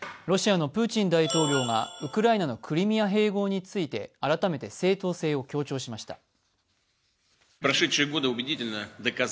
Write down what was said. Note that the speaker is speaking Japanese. ロシアのプーチン大統領がウクライナのクリミア併合について改めて正当性を強調しました。